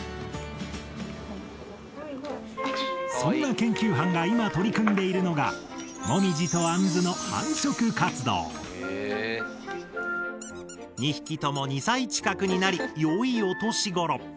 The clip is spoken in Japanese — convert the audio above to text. そんな研究班が今取り組んでいるのがもみじとあんずの２匹とも２歳近くになりよいお年頃。